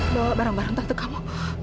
bawa barang barang tante kamu